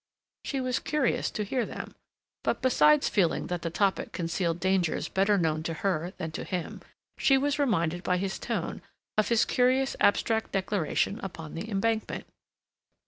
She was curious to hear them, but, besides feeling that the topic concealed dangers better known to her than to him, she was reminded by his tone of his curious abstract declaration upon the Embankment.